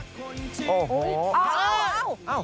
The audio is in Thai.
อ่ะเอ้า